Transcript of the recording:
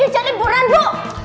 ini jadi buruan bu